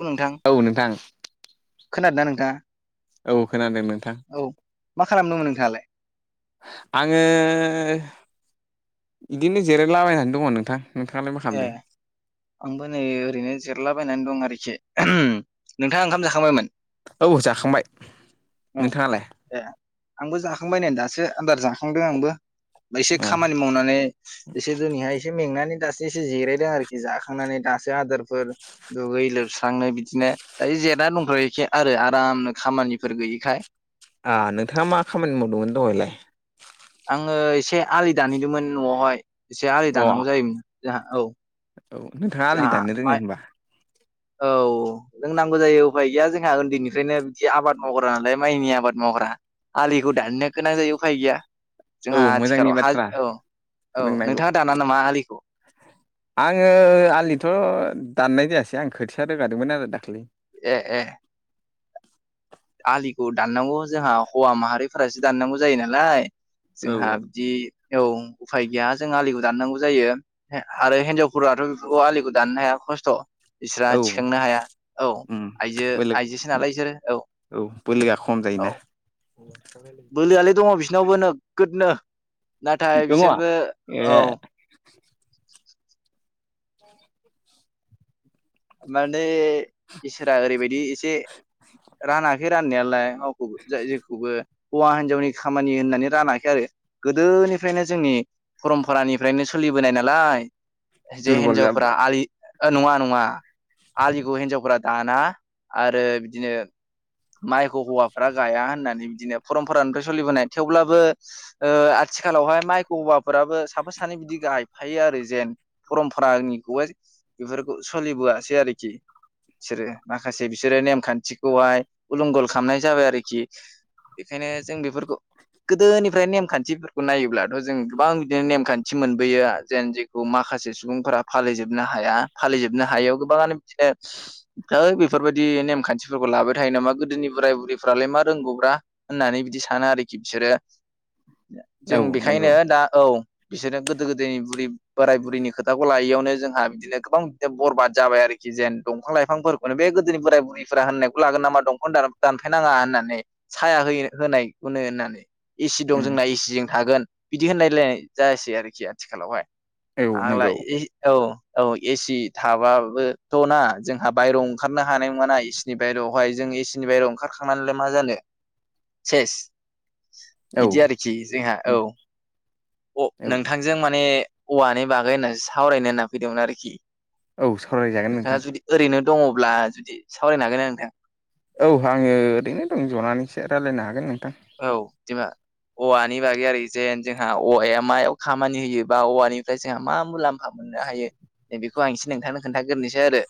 औ नोंथां खोनादोंना नोंथाङा? औ खोनादों नोंथां औ। मा खालामदोंमोन नोंथाङालाय? आङो बिदिनो जिरायलाबायनानै दङ नोंथां। नोंथाङालाय मा ए खालामदों? आंबो नै ओरैनो जिरलाबायनानै दं आरोखि ओम नोंथाङा ओंखाम जाखांबायमोन? औ जाखांबाय औ नोंथाङालाय? ए आंबो जाखांबाय नै दासो आदार जाखांदों आंबो फ्राय एसे अ खामानि मावनानै एसे जोंनिया एसे मेंनानै दासो- एसे जिरायदों आरोखि जाखांनानै दासो आदारफोर दुगै लोबस्रांनो बिदिनो ऐ जेना दंथ'खाय आरो आरामनो खामानिफोर गैयिखाय। ओ नोंथाङा मा खामानि मावदोंमोन दहायलाय? आङो एसे आलि दानहैदोंमोन न'आवहाय एसे आलि अ दाननांगौ जायोमोन जोंहा औ। औ नोंथाङा आलि जोंहा दाननो माइ रोङो होमबा? औ। जों नांगौ जायो उफाय गैया जोंहा उन्दैनिफ्रायनो बिदि आबाद मावग्रा नालाय माइनि आबाद मावग्रा। आलिखौ दाननो गोनां जायो उफाय गैया औ जोंहा मोजांनि आथिखालाव ह बाथ्रा औ औ रोंनांगौ नोंथाङा दाना नामा आलिखौ? आङो आंलिथ' दाननाय जायासै आं खोथिया रोगादोंमोन आरो दाख्लि। ए ए आलिखौ दाननांगौ जोंहा हौवा माहारिफोरासो दाननांगौ जायो नालाय औ जोंहा बिदि औ उफाय गैया जों आलिखौ दाननांगौ जायो। आरो हिनजावफोराथ' बे आलिखौ दाननो हाया खस्थ'। औ बिस्राहा थिखांनो हाया औ उम आइजो बोलो आइजोसो नालाय बिसोरो औ। औ बोलोआ खम औ जायोना। बोलोआलाय दंङ बिसिनावबो नोगोदनो नाथाय दङ बिसोरबो औ। ए [inaudible] माने इसोरा ओरैबायदि जे रानाखै राननायालाय जाय जेखौबो हौवा-हिनजावनि खामानि होननानै रानाखै आरो गोदोनिफ्रायनो जोंनि परमपरानिफ्रायनो सोलिबोनाय नालाय। जे दुरबल हिन्जावफोरा जाबाय आलि ओ नंङा नंङा। आलिखौ हिनजावफोरा दाना आरो बिदिनो माइखौ हौवाफ्रा गाया होननानै बिदिनो परमपरानिफ्राय सोलिबोनाय थेवब्लाबो ओ आथिखालावहाय माइखौ हौवाफोराबो साफा सानै बिदि गायफायो आरो जेन। परमपरानिखौहाय बेफोरखौ सोलिबोआसै आरोखि। बिसोरो माखासे बिसोरो नेमखान्थिखौहाय उलुंगल खालामनाय जाबाय आरोखि। बेखायनो जों बेफोरखौ गोदोनिफ्राय नेमखान्थि खौ नायोब्लाथ' जों गोबां बिदिनो नेमखान्थि मोथि मोनबोयो जेन जेखौ माखासे सुबुंफोरा फालिजोबनो हाया। फालिजोबनो हायैयाव गोबांङानो बिदिनो होद बेफोरबायदि नेमखान्थिफोरखौ लाबाय थायो नामा गोदोनि बोराय-बुरिफ्रालाय मा रोंगौब्रा होननानै बिदि सानो आरोखि बिसोरो। औ जों नंगौ बेखायनो दा औ बिसोरनो गोदो-गोदायनि बुरि बोराय-बुरैनि खोथाखौ लायैयावनो जोंहा बिदिनो गोबां बिनो बरबाद जाबाय आरोखि जेन दंफां-लाइफांफोरखौ माने बे गोदोनि बोराय-बुरैफोरा होननायखौ लागोन नामा दं दानफाय नांङा होननानै साया होयो होनाय [unintelligible] होननानै एसि दं उम जोंना एसिजों थागोन बिदि होनायलायनाय जायासै आरोखि आथिखालावहाय। औ आग्ला नंगौ औ औ एसि थाबाबोथ' ना जोंहा बायेरायाव ओंखारनो हानाय नंङा एसिनि बायेरायावहाय जों एसि नि बाहेराव' ओंखारखांनानैलाय मा जानो सेस। औ बिदि आरोखि जोंहा उम औ। अ औ नोंथांजों माने औवानि बागै होननानै सावरायनो होनना फैदोंमोन आरोखि। औ सावरायजागोन नोंथाङा नोंथां। जुदि ओरैनो दंङब्ला जुदि सावरायनो हागोन आरो नोंथां। औ आंङो ओरैनो दं जनानैसो रायज्लायनो हागोन नोंथां। औ दिमा औवानि बागै आरो जेन जोंहा औवाया मायाव खामानि होयोबा औवानिफ्राय जोंहा मा मुलाम्फा मोननो हायो बेखौ आं एसे नोंथांनो खोन्थागोरनोसै आरो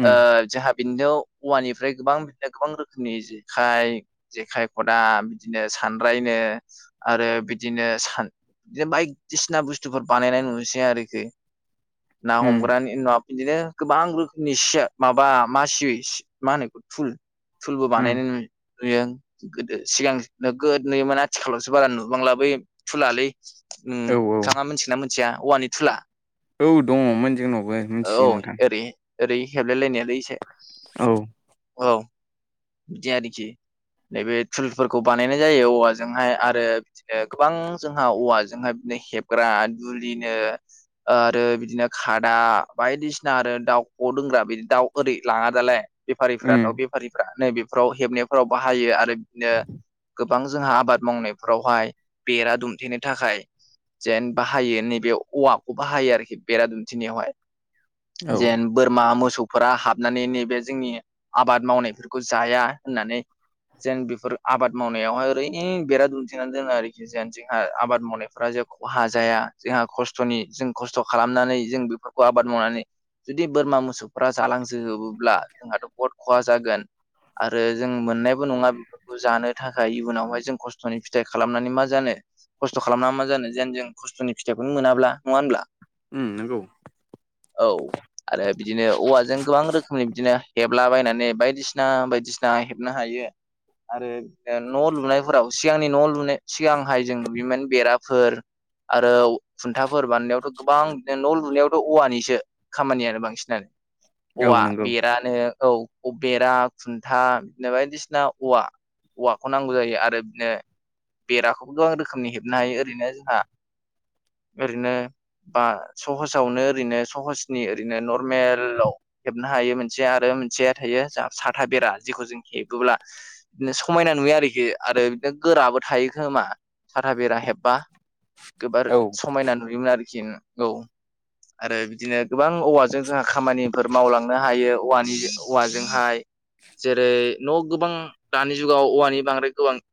उम ओ जोहा इदिनो औवानिफ्राय गोबां बिदिनो गोबां रोखोमनि जेखाय जेखाइ खदा बिदिनो सानरायनो आरो बिदिनो सान बिदिनो बायदिसिना बुस्थुफोर बानायनाय नुसै आरोखि ना उम हमग्रानि ना बिदिनो गोबां रोखोमनि सिया माबा मासि मा होनो बेखौ थुल। थुलबो उम बानायनाय नुयों गोदो सिगां। नोगोद नो माने आथिखालावसो बारा नुबांला बै फुलालै उम। औ औ नोंथांङा मिथिना मोनथिया औवानि थुला? औ दंङमोन जोंनावबो। औ मिथियो नोंथां ओरै ओरै हेबलाय लायनाया लै एसे औ औ बिदि आरोखि। नैबे थुलफोरखौ बानायनाय जायो औवाजोंहाय आरो बिदिनो गोबां जोंहा औवाजोंहाय बिदिनो हेबग्रा दुलिनो आरो बिदिनो खादा बायदिसिना आरो दाउ ख' दोंग्रा बिदि दाउ ओरै लाङा दालाय बेफारिफोरा उम दाउ बेफ नै बेफोराव हेबनायफोराव बाहायो आरो बिदिनो गोबां जोंहा आबाद मावनायफोरावहाय बेरा दुमथेनो थाखाय जेन बाहायो नैबे औवाखौ बाहायो आरोखि बेरा दुमथिनायावहाय औ जेन बोरमा मोसौफोरा हाबनानै नैबे जोंनि आबाद मावनायफोरखौ जाया होननानै जों बेफोर आबाद मावनायावहाय ओरैनो बेरा दुथिनानै दोनो आरोखि। जेन जोंहा आबाद मावनायफ्रा जे खहा जाया जोंहा खस्थ'नि जों खस्थ' खालामनानै जों बेफोर खौ आबाद मावनानै जुदि बोरमा मोसौफ्रा जालांजोबोब्ला जोंहाथ' बहुद खहा जागोन। आरो जों मोननायबो नङा बेफोरखौ जानो थाखाय इयुनावहाय जों खस्थ'नि फिथाइ खालामनानै मा जानो‌ खस्थ' खालामना मा जानो जेन जों खस्थ'नि फिथाइखौनो मोनाब्ला नङा होनब्ला? उम नोंगौ। औ आरो बिदिनो औवाजों गोबां रोखोमनि बिदिनो हेबलाबायनानै बायदिसिना बायदिसिना हेबनो हायो। आरो ओ न' लुनायफोराव सिगांनि न' लुनाय सिगांहाय जों लुयोमोन बेराफोर आरो खुन्थाफोर बानायनायावथ' गोबां बि न' लुनायाव औवानिसो खामानियानो बांसिनानो औ औवा नंगौ बेरानो औ बेरा खुन्था बिदिनो बायदिसिना औवा औवाखौ नांगौ जायो आरो बिदिनो बेराखौबो गोबां रोखोमनि हेबनो हायो ओरैनो जोंहा ओरैनो बा सहस सावनो ओरैनो सहसनि ओरैनो नरमेलाव हेबनो हायो मोनसे आरो मोनसेया थायो जाहा साथा बेरा जेखौ जों हेबोब्ला बिदिनो समायना नुयो आरोखि आरो बिदिनो गोराबो थायो खोमा साथा बेरा हेब्बा। गोबार औ समायना नुयोमोन आरोखि औ। आरो बिदिनो गोबां औवाजों जोंहा खामानिफोर मावलांनो हायो औवानि औवाजोंहाय जेरै न' गोबां दानि जुगाव औवानि बांद्राय गोबां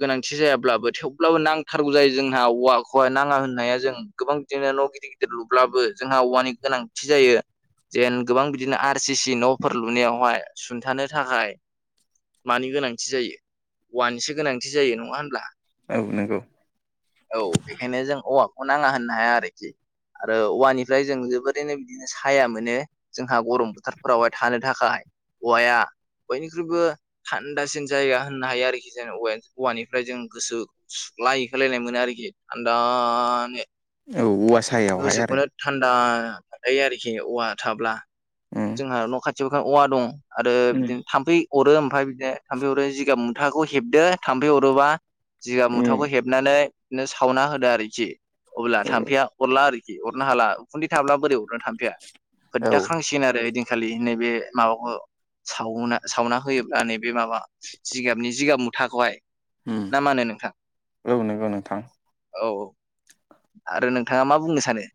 गोनांथि जायाब्लाबो थेवब्लाबो नांथारगौ जायो जोंहा औवा [unintelligible] नाङा होननाया जों गोबां बिदिनो न' गिदिर गिदिर लुब्लाबो जोंहा औवानि गोनांथि जायो। जेन गोबां बिदिनो आर सि सि न'फोर लुनायावहाय सुंथानो थाखाय मानि गोनांथि जायो औवानिसो गोनांथि जायो नङा होनब्ला? औ नोंगौ। औ बेखायनो जों औवाखौ नाङा होननो हाया आरोखि। आरो औवानिफ्राय जों जोबोरैनो बिदिनो साया मोनो। जोंहा गरम बोथारफोरावहाय थानो थाखाय औवाया बयनिख्रुइबो थान्दासिन जायगा होननो हायो आरोखि जों औवानिफ्राय जों गोसो सुग्लाय होलायनाय मोनो आरोखि थान्दानो औ औवा साया यावहाय आरो गोसोखौनो थान्दा थायो आरोखि औवा थाब्ला उम जोंहा न' खाथियाव औवा दं आरो उम बिदिनो थाम्फै अरो ओमफफ्राय बिदिनो थाम्फै अरो जिगाब मुथाखौ हेबदो थाम्फै अरोबा जिग उम मुथावखौ हेबनानैनो सावना होदो आरोखि अब्ला औ थाम्फैया अरला आरोखि अरनो हाला उखुन्दै थाब्ला बोरै अरनो थामफैया औ [unintelligible] खालि नैबे माबाखौ सावना सावना होयोब्ला नैबे माबा जिगाबनि जिगाब मुथाखौहाय उम ना मा होनो नोंथां? औ नोंगौ नोंथां। औ औ आरो नोंथाङा मा बुंनो सानो?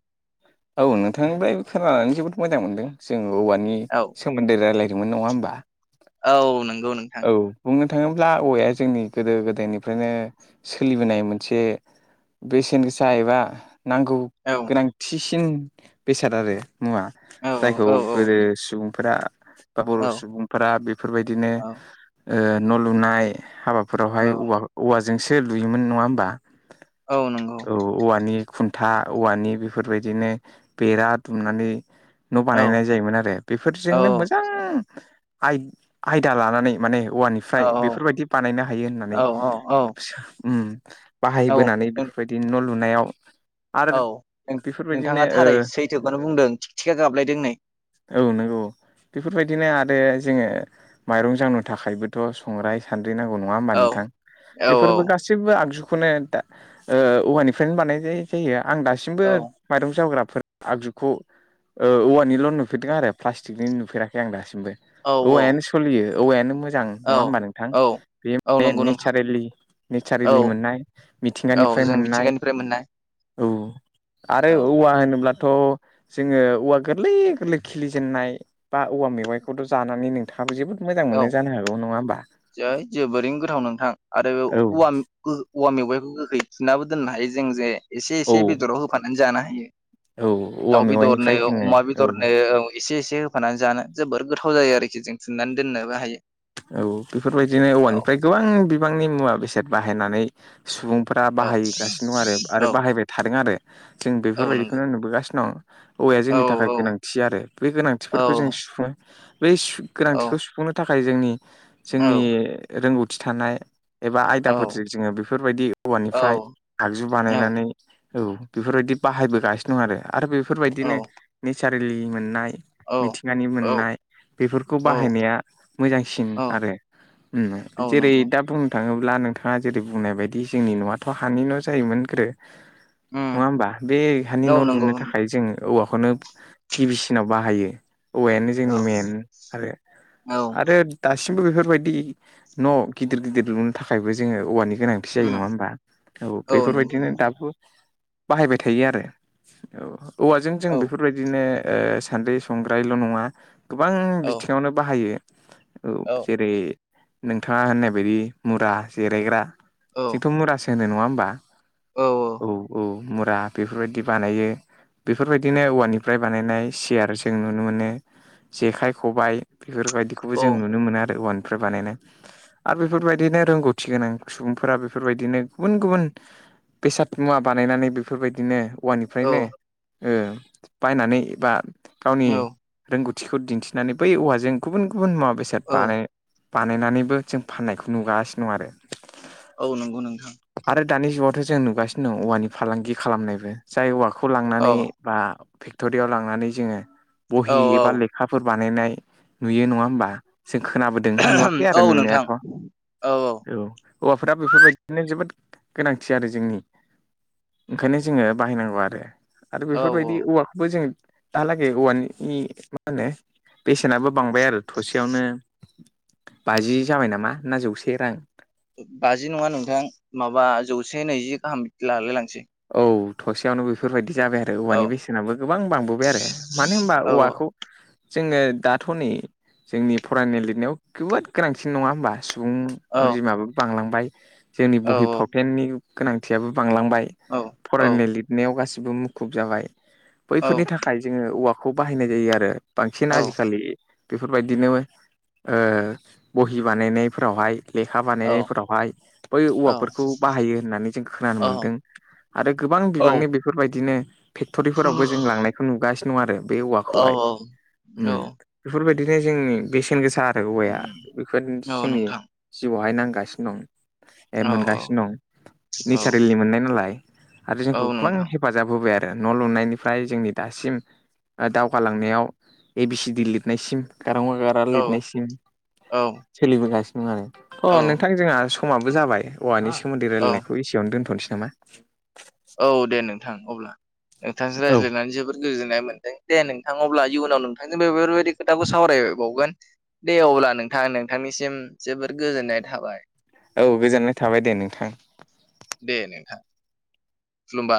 औ नोंथांनिफ्रायबो खोनानानै जोबोद मोजां मोनदों जोंङो औवानि औ सोमोन्दै रायलायदोंमोन नङा होमबा? औ नंगौ नोंगौ औ बुंनो थाङोब्ला औवाया जोंनि गोदो गोदायनिफ्रायनो सोलिबोनाय मोनसे बेसेन गोसा एबा नांगौ औ बांथिसिन बेसाद आरो मुवा औ जायखौ औ गोदो सुबुंफोरा बा बर' औ सुबुंफोरा बेफोरबायदिनो औ न' लुनाय हाबाफोरावहाय औ औवाजोंसो लुयोमोन नङा होमबा औ नंगौ औ औवानि खुन्था औवानि बेफोरबायदिनो बेरा दुमनानै न' औ बानायनाय जायोमोन आरो औ बेफोरजोंनो मोजां आइ दा लानानै माने औ औवानिफ्राय बेफोरबायदि बानायनो हायो औ होननानै औ औ बाहायबोनानै नों बेफोरबायदि न' लुनायाव आरो औ बेफोरबायदिनो नोंथाङा ओ थारै सैथोखौनो बुंदों थिगथिखा गाबलायदों नै औ नंगौ बेफोरबायदिनो आरो जोङो माइरं जावनो थाखायबोथ' संग्राय सान्द्रि नांगौ नङा होमबा औ नोंथां औ बेफोरबो गासै गाससिबो आगजुखौनो औवानिफ्रायनो बानायनाय जायो आं औ दासिमबो माइरं जाग्राफोर आगजुखौ औवानिल' नुफेरदों आरो प्लास्टिकनि नुफेराखै आं दासिमबो औ औवायानो सोलियो औवायानो मोजां औ नङा होमबा नोंथां औ बे औ माने नंगौ नोंथां नेेलि औ नेचारेलि मोननाय औ मिथिंगानिफ्राय जों मोननाय मिथिंगानिफ्राय मोननाय औ आरो औ औवा होनोब्ला थ' जोङो औवा गोरलै गोरलै खिलिजेननाय बा औवा मेवाइखौथ' जानानै नोंथां आंहाबो जोबोद मोजां औ मोनो जानो हागौ नङा होनोमबा जोबोरैनो गोथाव नोंथां आरो बे औवा औ गो औवा मेवाइखौ गोखै थुननाबो दोननो हायो जों जे एसे औ एसे बेदराव होफानानै जानो हायो औ औवा दाउ बे दरनो मेवाइनिफ्राय जोङो अमा औ बिदरनो एसे एसे होफानानै जानो जोबोर गोथाव जायो आरोखि जों थुननानै दोननोबो हायो औ बेफोरबायदिनो औ औवानिफ्राय गोबां बिबांनि मुवा बेसाद बाहायनानै सुबुंफ्रा औ बाहायगासिनो दं आरो आरो औ बाहायबाय थादों आरो जों औ नंगौ बेफोरबायदिखौनो नुबोगासिनो दं औवाया औ जोंनि थाखाय गोनांथि आरो बे औ गोनांथिफोरखौ जों सुफुङो बै औ गोनांथिखौ सुफुंनो थाखाय जोंनि औ जोंनि रोंगौथि थानाय एबा आयदाफोरजों जोङो बेफोरबायदि औ औवानिफ्राय आगजु औ बानायनानै औ बेफोरबायदि बाहायबोगासिनो दं आरो आरो बेफोरबायदिनो नेसारेलि मोननाय मिथिंगानि औ मोननाय बेफोरखौ औ बाहायनाया मोजांसि न औ आरो औ जेरै नंगौ दा बुं नो थाङोब्ला नोंथाङा जेरै बुंनाय बायदि जोंनि न'आथ' हानि न' जायोमोन ग्रो उम नङा होमबा बे हानि औ न' नंगौ लुनो थाखाय जों औवाखौनो गिबिसिनाव बाहायो औवायानो औ जोंनि मेन आरो औ आरो दासिमबो बेफोरबायदि न' गिदिर गिदिर लुनो थाखायबो जोङो औवानि गोनां [unintelligible] जायो उम नङा होमबा औ नंगौ बेफोरबायदिनो नोंथां दाबो बानायबाय थायो आरो औ औवाजों जों औ बेफोरबायदिनो सान्द्रि संग्रायल' नङा गोबां औ बिथिङावनो बाहायो औ जेरै नोंथाङा होननाय बायदि मुरा जिरायग्रा औ जोंथ' मुरो होनो नङा होमबा औ औ मुरा बेफोरबायदि बानायो। बेफोरबायदिनो औवानिफ्राय बानायनाय सियार जों नुनो मोनो। जेखाइ खब्बाय बेफोरबायदिखौबो जों नुनो मोनो आरो औवानिफ्राय बानायनाय। आरो बेफोरबायदिनो रोंगौथि गोनां सुबुंफोरा बेफोरबायदिनो गुबुन गुबुन बेसाद मुवा बानायनानै बेफोरबायदिनो औवानिफ्रायनो ओ बायनानै बा औ गावनि रोंगौथिखौ दिन्थिनानै बै औवाजों गुबुन गुबुन मुवा बेसाद औ बानाय बानायनानैबो जों फाननायखौ नुगासिनो दं आरो औ नोंगौ नोंथां। आरो दानि जुगावथ' जों नुगासिनो दं औवानि फालांगि खालामनायबो। जाय औवाखौ औ लांनानै बा फेक्ट'रियाव लांनानै जोङो औ बहि औ एबा लेखाफोर बानायनाय नुयो नङा होमबा। जों खोनाबोदों नुवाखै आरो औ नोंथां नुनायाथ' औ औ औ औवाफोरा बेफोरबायदिनो जोबोद गोनांथि आरो जोंनि ओंखायनो जोङो बाहायनांगौ आरो आरो औ औ बेफोरबायदि औवाखौबो जों दालागै औवाननि मा होनो बेसेनाबो बांबाय आरो थसेयावनो बाजि जाबाय नामा ना जौसे रां बाजि नङा नोंथां माबा जौसे नैजि गाहाम लालाय लांसै। औ थसेयावनो बेफोरबायदि जाबाय आरो औ औवानि बेसेनाबो गोबां बांबोबाय आरो मानो होनबा औ औवाखौ जोंनो दाथ' नै जोंनि फरायनाय लिरनायाव गोबोद गोनांथिन नङा होमबा सुबुं औ अनजिमाबो बांलांबाय जोंनि औ बहि औ फावथेननि गोनांथियाबो बांलांबाय। औ। औ फरायनाय लिरनायाव गासिबो मुखुब जाबाय। औ बैफोरनि थाखाय जोङो औवा खौ बाहायनाय जायो आरो बांसिन औ आजिखालि बेफोरबायदिनो ओ बहि बानायनायफोरावहाय लेखा औ बानायनायफोरावहाय बै औवाफोरखौ बाहायो होननानै जों खोनानो औ मोन्दों। आरो गोबां औ बिबांनि बेफोरबायदिनो फेक्ट'रिफोरावबो जों लांनायखौ नुगासिनो दं आरो बे औ औवाखौहाय उम। बेफोरबायदिनो जोंनि बेसेन गोसा आरो औवाया बेफोर औ जोंनि नोंथां जिउआवहाय नांगासिनो दं ए औ मोनगासिनो दं औ नेचारेलि मोननाय नालाय [unintelligible] आरो औ जोंखौ गोबां नोंथां हेफाजाब होबाय आरो न' लुनायनिफ्राय जोंनि दासिम दावगालांनायाव ए बि सि डि लिरनायसिम गारां अ गार आ औ लिरनायसिम सोलिबोगासिनो दं आरो औ अ नोंथां जोंहा समाबो जाबाय। औवानि सोमोन्दै रायलायनायखौ एसेयावनो दोन्थ'नोसै नामा? औ दे नोंथां अब्ला नोंथांजों रायज्लायनानै जोबोद गोजोननाय मोन्दों दे नोंथां अब्ला इयुनाव नोंथांजों बेबोरबायदि खोथाखौ सावरायबावगोन। दे अब्ला नोंथां नोंथांनिसिम जोबोद गोजोननाय थाबाय। औ गोजोननाय थाबाय दे नोंथां। दे नोंथां। [unintelligible]